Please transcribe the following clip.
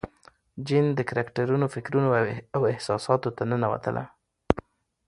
جین د کرکټرونو فکرونو او احساساتو ته ننوتله.